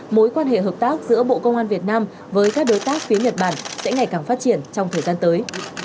mối quan hệ hợp tác giữa bộ công an việt nam với các đối tác phía nhật bản sẽ ngày càng phát triển trong thời gian tới